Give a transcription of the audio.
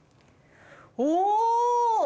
お！